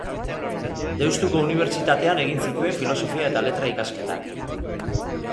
Deustuko Unibertsitatean egin zituen Filosofia eta Letra ikasketak.